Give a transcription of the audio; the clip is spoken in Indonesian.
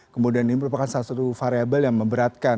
kemudian ini merupakan salah satu variable yang memberatkan